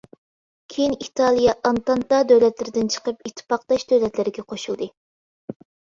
كېيىن ئىتالىيە ئانتانتا دۆلەتلىرىدىن چىقىپ، ئىتتىپاقداش دۆلەتلەرگە قوشۇلدى.